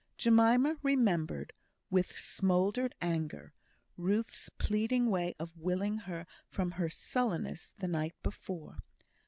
Jemima remembered, with smouldered anger, Ruth's pleading way of wiling her from her sullenness the night before.